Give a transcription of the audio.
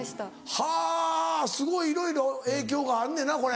はぁすごいいろいろ影響があんねんなこれ。